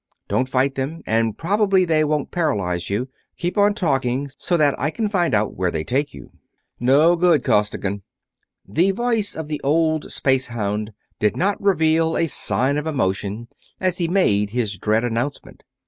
"Don't fight them and probably they won't paralyze you. Keep on talking, so that I can find out where they take you." "No good, Costigan." The voice of the old spacehound did not reveal a sign of emotion as he made his dread announcement.